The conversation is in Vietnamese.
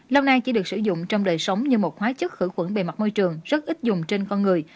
lâu nay chỉ được sử dụng trong đời sống như một hóa chất khử khuẩn bề mặt môi trường rất ít dùng trên con người